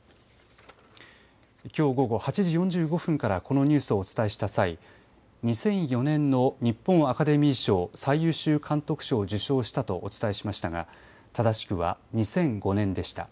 きょう午後８時４５分からこのニュースをお伝えした際２００４年の日本アカデミー賞最優秀監督賞を受賞したとお伝えしましたが正しくは２００５年でした。